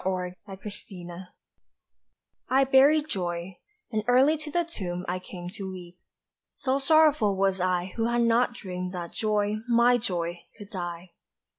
Resurrection I BURIED Joy; and early to the tomb I came to weep so sorrowful was I Who had not dreamed that Joy, my Joy, could die.